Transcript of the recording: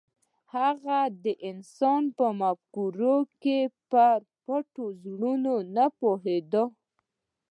هغه د انسان په مفکورو کې پر پټو زرو نه پوهېده.